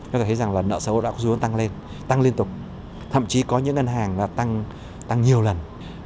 tôi thấy rằng là nợ xấu đã tăng liên tục thậm chí có những ngân hàng tăng nhiều lần